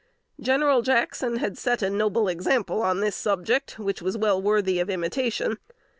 General Jackson had set a noble example on this subject which was well worthy of imitation.